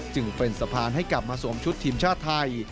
จึงเป็นสะพานให้กลับมาสวมชุดทีมชาติไทย